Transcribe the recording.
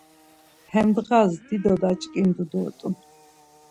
Hem ndğas dido daç̌ǩindu dort̆un.